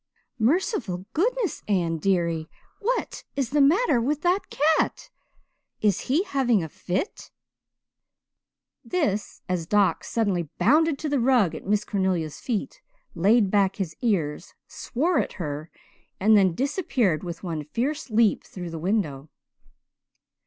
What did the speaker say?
Merciful goodness, Anne dearie, what is the matter with that cat? Is he having a fit?" this, as Doc suddenly bounded to the rug at Miss Cornelia's feet, laid back his ears, swore at her, and then disappeared with one fierce leap through the window.